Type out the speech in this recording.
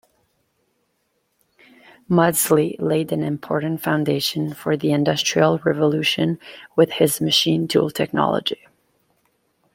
Maudslay laid an important foundation for the Industrial Revolution with his machine tool technology.